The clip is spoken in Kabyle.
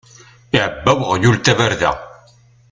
Iɛebba uɣyul tabarda.